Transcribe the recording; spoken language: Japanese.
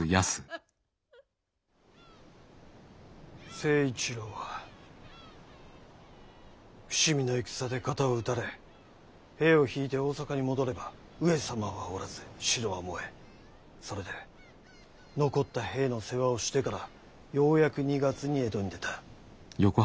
成一郎は伏見の戦で肩を撃たれ兵を退いて大坂に戻れば上様はおらず城は燃えそれで残った兵の世話をしてからようやく２月に江戸に出た。